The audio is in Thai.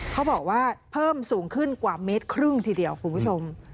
เขาบอกว่าเพิ่มสูงขึ้นกว่าเมตรครึ่งทีเดียวคุณผู้ชม